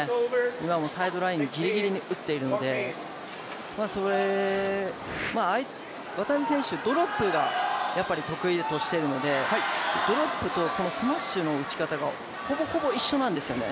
今も、サイドラインギリギリに打っているので、渡辺選手、ドロップを得意としてるのでドロップとスマッシュの打ち方が、ほぼほぼ一緒なんですよね。